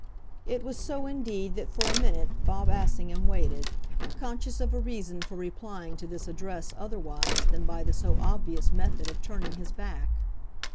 It was so indeed that for a minute Bob Assingham waited conscious of a reason for replying to this address otherwise than by the so obvious method of turning his back.